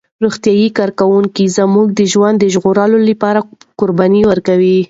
روغتیايي کارکوونکي زموږ د ژوند د ژغورلو لپاره قرباني ورکوي.